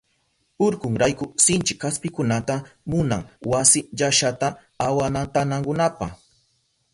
Urkunrayku sinchi kaspikunata munan wasi llashata awantanankunapa.